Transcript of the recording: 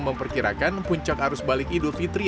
memperkirakan puncak arus balik idul fitri